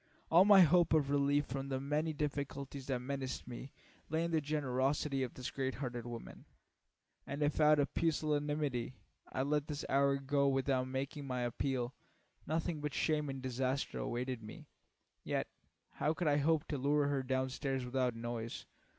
All my hope of relief from the many difficulties that menaced me lay in the generosity of this great hearted woman, and if out of pusillanimity I let this hour go by without making my appeal, nothing but shame and disaster awaited me. Yet how could I hope to lure her down stairs without noise?